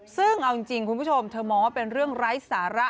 ซึ่งเอาจริงคุณผู้ชมเธอมองว่าเป็นเรื่องไร้สาระ